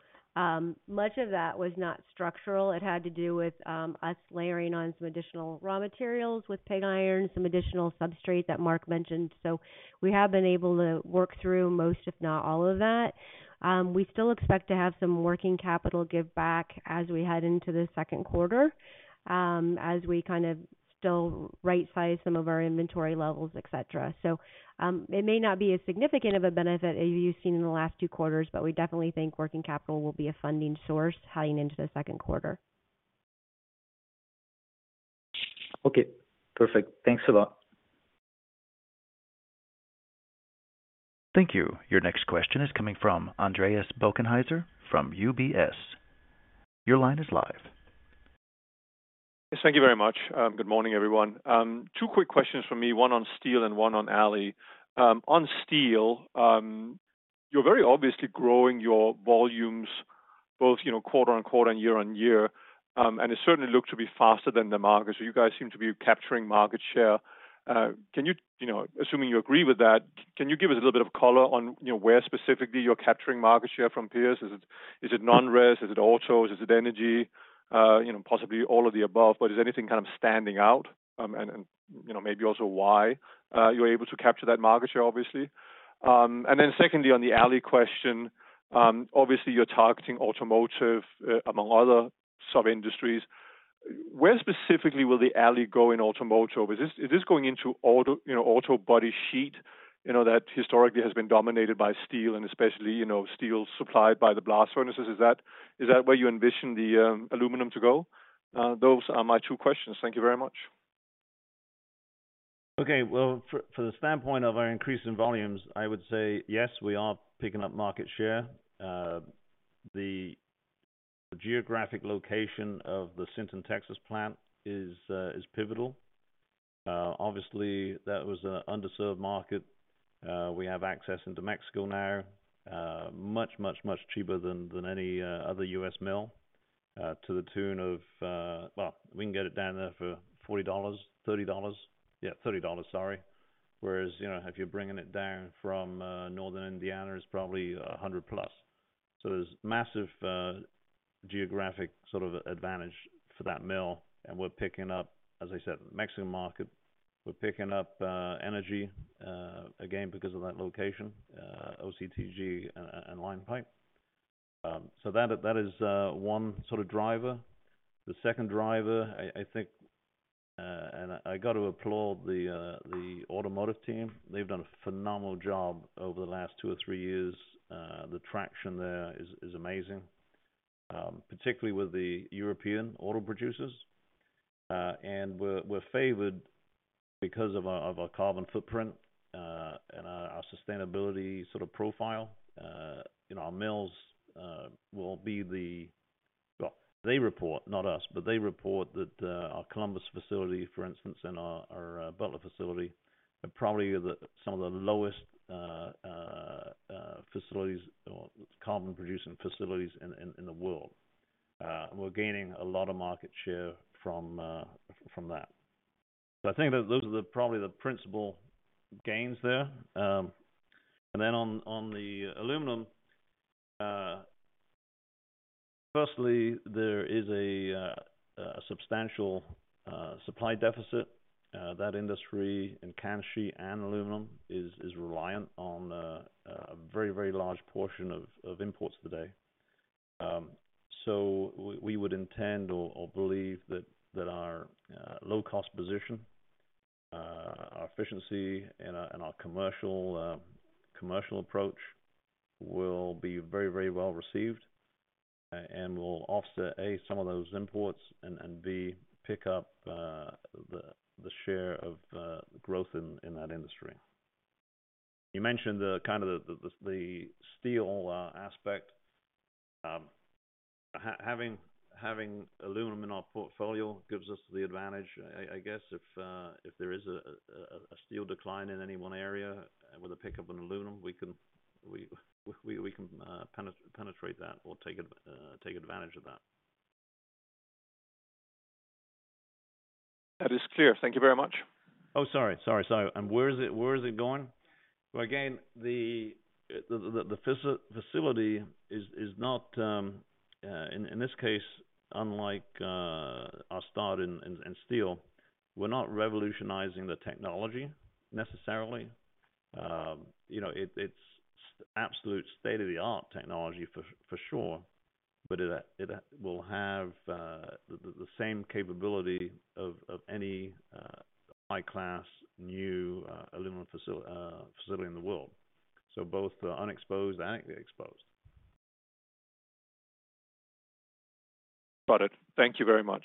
Much of that was not structural. It had to do with us layering on some additional raw materials with pig iron, some additional substrate that Mark mentioned. We have been able to work through most, if not all, of that. We still expect to have some working capital give back as we head into the second quarter, as we kind of still right-size some of our inventory levels, et cetera. It may not be as significant of a benefit as you've seen in the last two quarters, but we definitely think working capital will be a funding source heading into the second quarter. Okay, perfect. Thanks a lot. Thank you. Your next question is coming from Andreas Bockenhueser from UBS. Your line is live. Yes, thank you very much. Good morning, everyone. Two quick questions from me, one on steel and one on ali. On steel, you're very obviously growing your volumes both, you know, quarter-on-quarter and year-on-year. It certainly looks to be faster than the market, so you guys seem to be capturing market share. Can you know, assuming you agree with that, can you give us a little bit of color on, you know, where specifically you're capturing market share from peers? Is it non-res? Is it autos? Is it energy? You know, possibly all of the above, but is anything kind of standing out? You know, maybe also why you're able to capture that market share, obviously. Secondly, on the ali question, obviously you're targeting automotive, among other sub-industries. Where specifically will the ali go in automotive? Is this going into auto, you know, auto body sheet, you know, that historically has been dominated by steel and especially, you know, steel supplied by the blast furnaces. Is that where you envision the aluminum to go? Those are my two questions. Thank you very much. Okay. Well, for the standpoint of our increase in volumes, I would say yes, we are picking up market share. The geographic location of the Sinton, Texas plant is pivotal. Obviously that was an underserved market. We have access into Mexico now, much cheaper than any other U.S. mill, to the tune of... Well, we can get it down there for $40, $30. Yeah, $30, sorry. Whereas, you know, if you're bringing it down from northern Indiana, it's probably $100+. There's massive geographic sort of advantage for that mill. We're picking up, as I said, Mexican market. We're picking up energy, again, because of that location, OCTG and line pipe. That is one sort of driver. The second driver, I think, I got to applaud the automotive team. They've done a phenomenal job over the last two or three years. The traction there is amazing, particularly with the European auto producers. We're favored because of our carbon footprint, and our sustainability sort of profile. You know, our mills will be the... Well, they report, not us, but they report that our Columbus facility, for instance, and our Butler facility are probably some of the lowest facilities or carbon-producing facilities in the world. We're gaining a lot of market share from that. I think that those are probably the principal gains there. On, on the aluminum, firstly, there is a substantial supply deficit. That industry in can sheet and aluminum is reliant on a very, very large portion of imports today. We would intend or believe that our low-cost position, our efficiency and our commercial approach will be very, very well-received and will offset, A, some of those imports, and B, pick up the share of growth in that industry. You mentioned the kind of the steel aspect. Having aluminum in our portfolio gives us the advantage. I guess if there is a steel decline in any one area with a pickup in aluminum, we can penetrate that. We'll take a take advantage of that. That is clear. Thank you very much. Sorry. Where is it going? Well, again, the facility is not in this case, unlike our start in steel, we're not revolutionizing the technology necessarily. You know, it's absolute state-of-the-art technology for sure. It will have the same capability of any high-class, new aluminum facility in the world. Both the unexposed and the exposed. Got it. Thank you very much.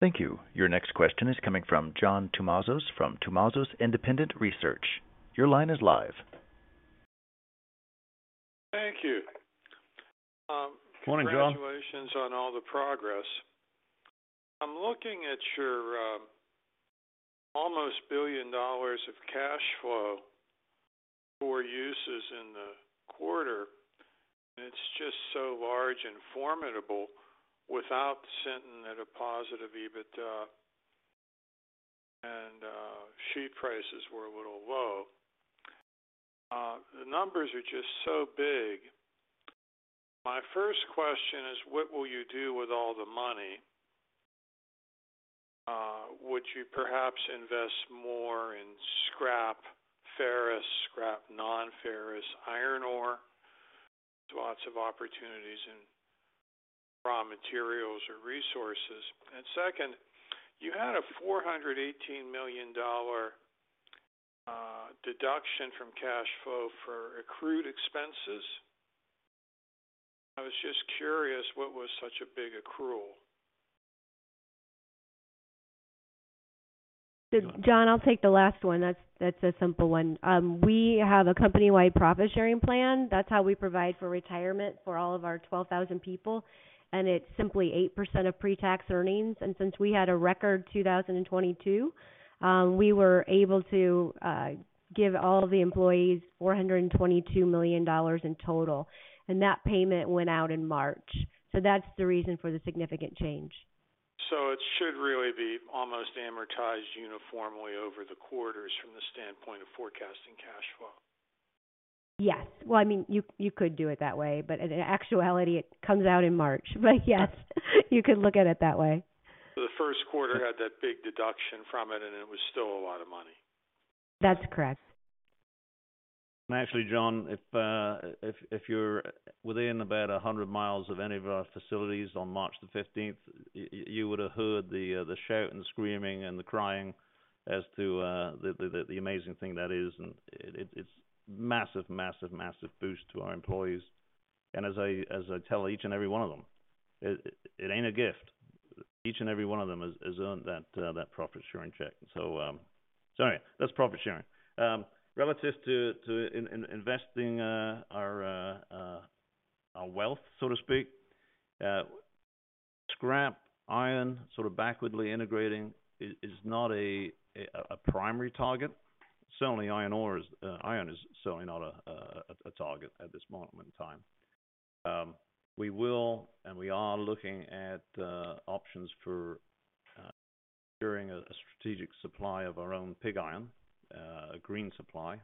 Thank you. Your next question is coming from John Tumazos from John Tumazos Very Independent Research. Your line is live. Congratulations on all the progress. I'm looking at your almost $1 billion of cash flow for uses in the quarter, and it's just so large and formidable without sending at a positive EBITDA, and sheet prices were a little low. The numbers are just so big. My first question is, what will you do with all the money? Would you perhaps invest more in scrap ferrous, scrap non-ferrous iron ore? There's lots of opportunities in raw materials or resources. Second, you had a $418 million deduction from cash flow for accrued expenses. I was just curious what was such a big accrual? John, I'll take the last one. That's a simple one. We have a company-wide profit-sharing plan. That's how we provide for retirement for all of our 12,000 people. It's simply 8% of pre-tax earnings. Since we had a record 2022, we were able to give all the employees $422 million in total. That payment went out in March. That's the reason for the significant change. It should really be almost amortized uniformly over the quarters from the standpoint of forecasting cash flow. Yes. Well, I mean, you could do it that way, in actuality it comes out in March. Yes, you could look at it that way. The first quarter had that big deduction from it, and it was still a lot of money. That's correct. Actually, John, if you're within about 100 mi of any of our facilities on March 15th, you would have heard the shout and screaming and the crying as to the amazing thing that is. It's massive, massive boost to our employees. As I tell each and every one of them, it ain't a gift. Each and every one of them has earned that profit-sharing check. Sorry, that's profit sharing. Relative to investing our wealth, so to speak, scrap iron sort of backwardly integrating is not a primary target. Certainly iron ore is. Iron is certainly not a target at this moment in time. We will and we are looking at options for ensuring a strategic supply of our own pig iron, a green supply.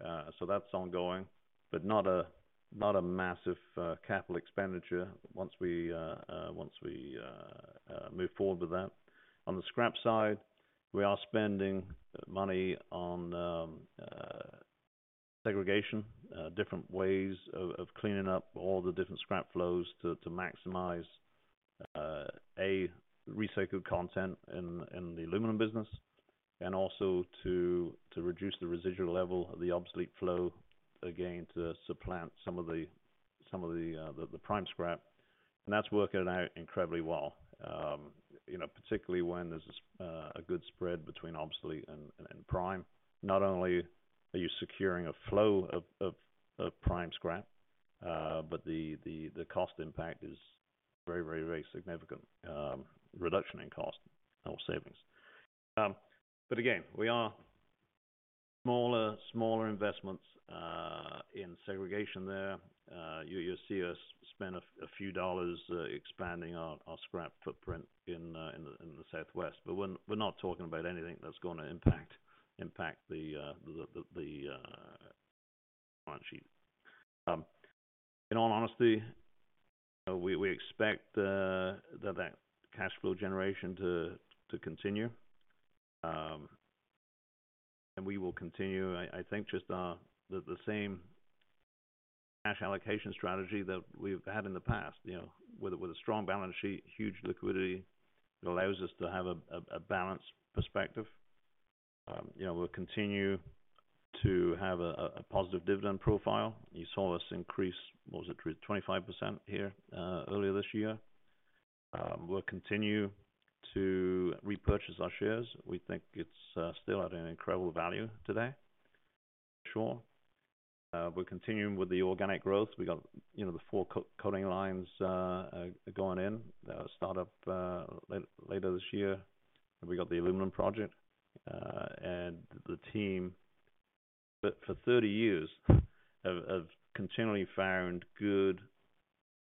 That's ongoing, but not a massive capital expenditure once we move forward with that. On the scrap side, we are spending money on segregation, different ways of cleaning up all the different scrap flows to maximize a recycled content in the aluminum business and also to reduce the residual level of the obsolete flow, again, to supplant some of the prime scrap. That's working out incredibly well, you know, particularly when there's a good spread between obsolete and prime. Not only are you securing a flow of prime scrap, but the cost impact is very significant, reduction in cost or savings. Again, we are smaller investments in segregation there. You see us spend a few dollars expanding our scrap footprint in the Southwest. We're not talking about anything that's gonna impact the balance sheet. In all honesty, we expect that cash flow generation to continue. We will continue, I think just the same cash allocation strategy that we've had in the past. You know, with a strong balance sheet, huge liquidity, it allows us to have a balanced perspective. You know, we'll continue to have a positive dividend profile. You saw us increase, what was it? 25% here earlier this year. We'll continue to repurchase our shares. We think it's still at an incredible value today for sure. We're continuing with the organic growth. We got, you know, the four coil coating lines going in. They'll start up later this year. We got the aluminum project, and the team for 30 years have continually found good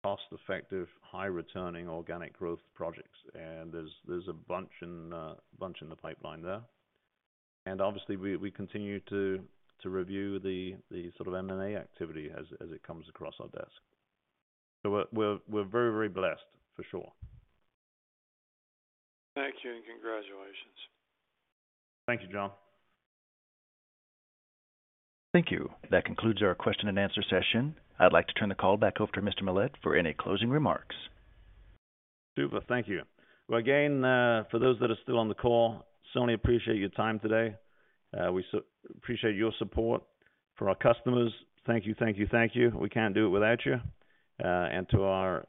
cost-effective, high returning organic growth projects. There's a bunch in the pipeline there. Obviously we continue to review the sort of M&A activity as it comes across our desk. We're very blessed for sure. Thank you and congratulations. Thank you, John. Thank you. That concludes our question and answer session. I'd like to turn the call back over to Mr. Millett for any closing remarks. Super. Thank you. Well, again, for those that are still on the call, certainly appreciate your time today. We so appreciate your support. For our customers, thank you, thank you, thank you. We can't do it without you. To our,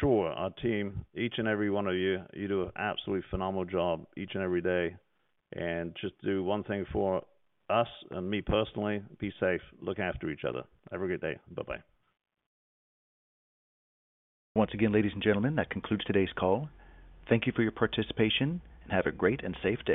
sure, our team, each and every one of you do an absolutely phenomenal job each and every day. Just do one thing for us and me personally, be safe, look after each other. Have a good day. Bye-bye. Once again, ladies and gentlemen, that concludes today's call. Thank you for your participation, and have a great and safe day.